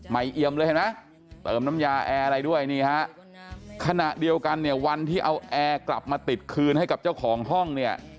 เอียมเลยเห็นไหมเติมน้ำยาแอร์อะไรด้วยนี่ฮะขณะเดียวกันเนี่ยวันที่เอาแอร์กลับมาติดคืนให้กับเจ้าของห้องเนี่ย